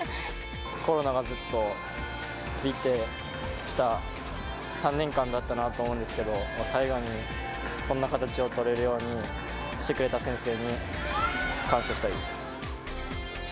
コロナがずっとついてきた３年間だったなと思うんですけど、最後にこんな形を取れるようにしてくれた先生に感謝したいです。